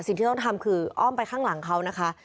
สิ่งที่ต้องทำคืออ้อมไปข้างหลังเขานะคะ